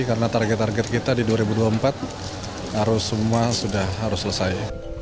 karena target target kita di dua ribu dua puluh empat harus semua sudah harus selesai